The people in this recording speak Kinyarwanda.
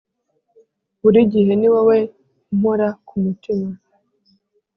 buri gihe ni wowe umpora ku mutima